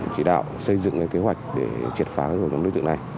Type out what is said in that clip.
chỉ đạo xây dựng kế hoạch để triệt phá đối tượng này